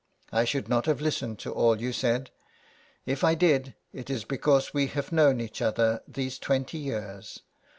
I should not have listened to all you said ; if I did, it is because we have known each other these twenty years.